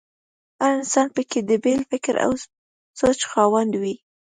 هر انسان په کې د بېل فکر او سوچ خاوند وي.